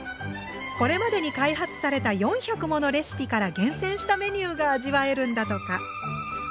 これまでに開発された４００ものレシピから厳選したメニューが味わえるんだとか。